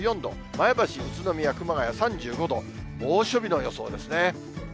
前橋、宇都宮、熊谷３５度、猛暑日の予想ですね。